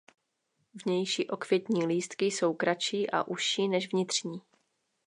Vnější okvětní lístky jsou kratší a užší než vnitřní.